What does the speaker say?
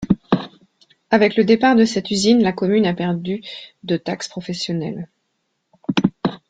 Avec le départ de cette usine, la commune a perdu de taxe professionnelle.